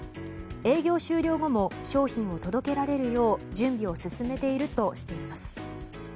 営業終了後も商品を届けられるよう準備を進めているとしています。